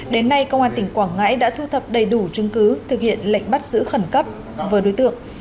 đến nay công an tỉnh quảng ngãi đã thu thập đầy đủ chứng cứ thực hiện lệnh bắt giữ khẩn cấp vừa đối tượng